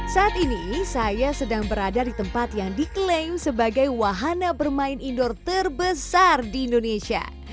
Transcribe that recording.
saat ini saya sedang berada di tempat yang diklaim sebagai wahana bermain indoor terbesar di indonesia